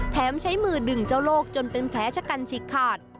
ใช้มือดึงเจ้าโลกจนเป็นแผลชะกันฉีกขาด